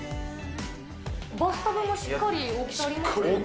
バスタブがしっかり大きさありますよね。